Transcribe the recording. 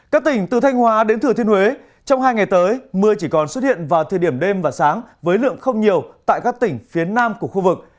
các tỉnh từ thanh hóa đến thừa thiên huế trong hai ngày tới mưa chỉ còn xuất hiện vào thời điểm đêm và sáng với lượng không nhiều tại các tỉnh phía nam của khu vực